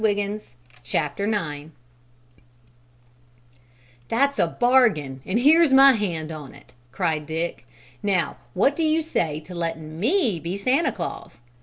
IX "That's a bargain and here's my hand on it," cried Dick. "Now, what do you say to letting me be Santa Claus?